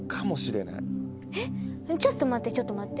えっちょっと待ってちょっと待って。